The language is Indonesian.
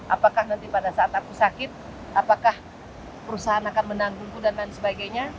apakah nanti pada saat aku sakit apakah perusahaan akan menanggungku dan lain sebagainya